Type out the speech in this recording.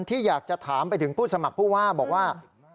ที่อยากจะถามไปถึงผู้สมัครผู้ว่าบอกว่า